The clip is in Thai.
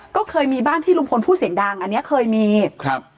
ก็เคยมีบ้านที่ลุงพลพูดเสียงดังอันเนี้ยเคยมีครับ